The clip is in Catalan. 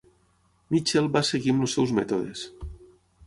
Mitchell va seguir amb els seus mètodes.